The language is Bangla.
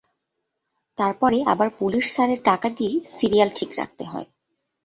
তার পরে আবার পুলিশ স্যারেরে টাকা দিয়ে সিরিয়াল ঠিক রাখতে হয়।